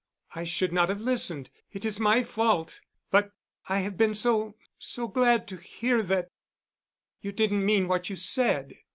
I should not have listened. It is my fault. But I have been so—so glad to hear that—you didn't mean what you said.